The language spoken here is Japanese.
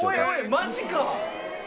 マジか⁉